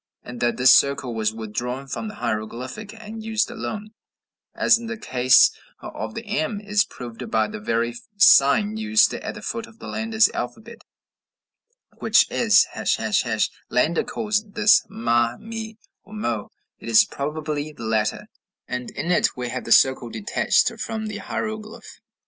And that this circle was withdrawn from the hieroglyph, and used alone, as in the case of the m, is proved by the very sign used at the foot of Landa's alphabet, which is, ### Landa calls this ma, me, or mo; it is probably the latter, and in it we have the circle detached from the hieroglyph.